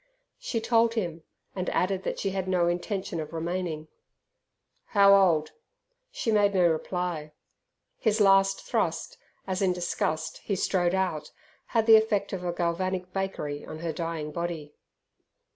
She told him, and added that she had no intention of remaining. "How old?" She made no reply. His last thrust, as in disgust he strode out, had the effect of a galvanic bakery on her dying body.